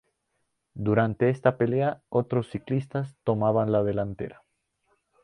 Durante esta pelea, otros ciclistas toman la delantera.